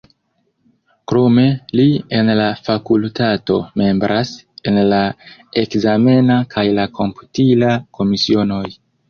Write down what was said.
Krome li en la fakultato membras en la ekzamena kaj la komputila komisionoj.